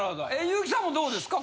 優木さんもどうですか？